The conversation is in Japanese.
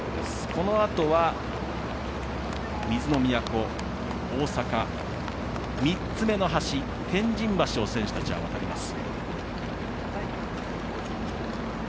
このあとは、水の都・大阪３つ目の橋天神橋を選手たちは渡ります。